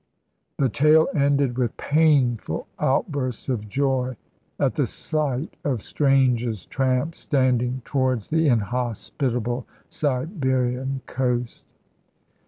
The tale ended with painful outbursts of joy at the sight of Strange's tramp standing towards the inhospitable Siberian coast.